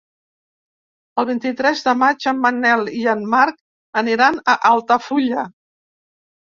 El vint-i-tres de maig en Manel i en Marc aniran a Altafulla.